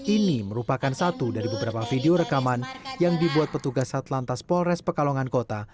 ini merupakan satu dari beberapa video rekaman yang dibuat petugas satlantas polres pekalongan kota